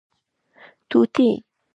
🦜 طوطي